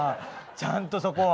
ちゃんとそこは。